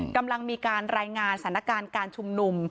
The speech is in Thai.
กำลังมีการรายงานสถานการณ์การชุมนุม